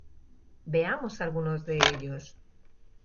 Veamos algunos de ellos.